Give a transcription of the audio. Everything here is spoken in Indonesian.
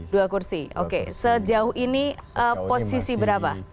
dua kursi oke sejauh ini posisi berapa